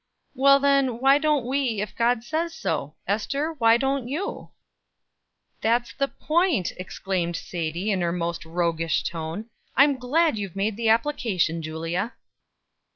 "Well, then, why don't we, if God says so? Ester, why don't you?" "That's the point!" exclaimed Sadie, in her most roguish tone. "I'm glad you've made the application, Julia."